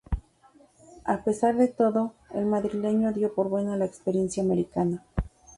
A pesar de todo, el madrileño dio por buena la experiencia americana.